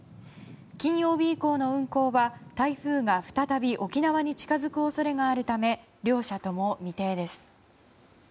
金曜日以降の運航は台風が再び沖縄に近づく恐れがあるため両社とも未定です。